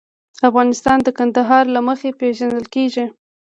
افغانستان د کندهار له مخې پېژندل کېږي.